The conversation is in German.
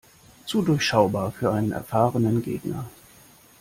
Zu durchschaubar für einen erfahrenen Gegner.